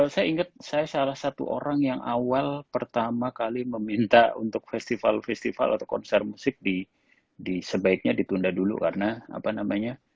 saya ingat saya salah satu orang yang awal pertama kali meminta untuk festival festival atau konser musik di sebaiknya ditunda dulu karena apa namanya